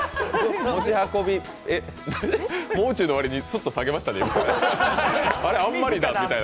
もう中のわりにすっと下げましたね。